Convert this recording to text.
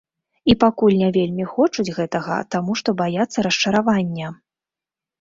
І пакуль не вельмі хочуць гэтага, таму што баяцца расчаравання.